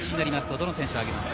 どの選手を挙げますか。